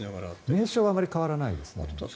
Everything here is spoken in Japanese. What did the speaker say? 名称はあまり変わらないですね。